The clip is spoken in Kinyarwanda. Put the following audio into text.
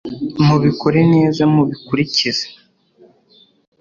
mubikore neza, mubikurikize